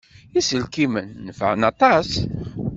Iselkimen nefɛen aṭas.